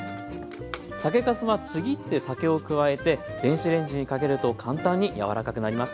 酒かすはちぎって酒を加えて電子レンジにかけると簡単に柔らかくなります。